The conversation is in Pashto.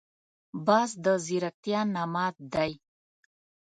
باز د ځیرکتیا نماد دی